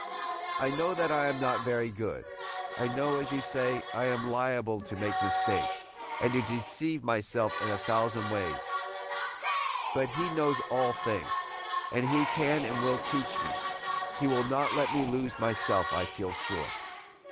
I know that I am not very good. I know, as you say, I am liable to make mistakes, and to deceive myself in a thousand ways; but He knows all things, and he can and will teach me; he will not let me lose myself, I feel sure."